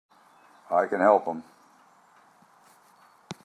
I can help him!